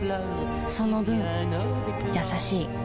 その分優しい